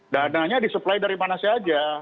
dananya disuplai dari mana saja